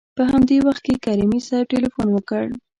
په همدې وخت کې کریمي صیب تلېفون وکړ.